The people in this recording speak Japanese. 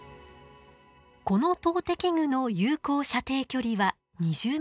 この投擲具の有効射程距離は２０ｍくらい。